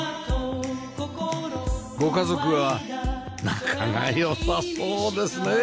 ご家族は仲が良さそうですね